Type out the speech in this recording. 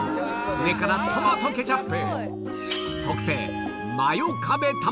上からトマトケチャップ！